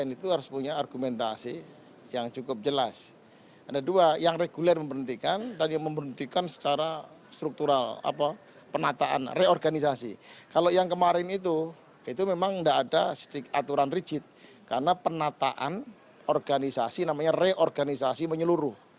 itu memang tidak ada aturan rigid karena penataan organisasi namanya reorganisasi menyeluruh